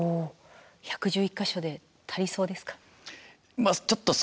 １１１か所で足りそうですか？